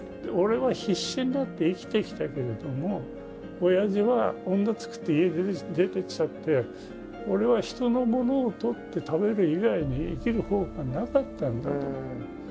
「俺は必死になって生きてきたけれどもおやじは女作って家出てっちゃって俺は人のものをとって食べる以外に生きる方法がなかったんだ」と。